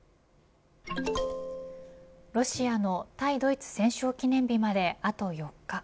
ロシアの対ドイツ戦勝記念日まであと４日。